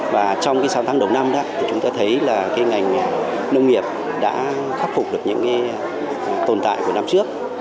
và trongsk tháng đầu năm chúng ta thấy công nghiệp đã khắc phục được những tồn tại của năm trước